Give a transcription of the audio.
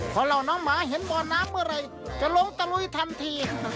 พอเหล่าน้องหมาเห็นบ่อน้ำเมื่อไหร่จะลงตะลุยทันที